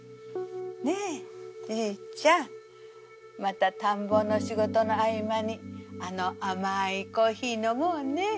ねえじいちゃんまた田んぼの仕事の合間にあの甘いコーヒー飲もうね。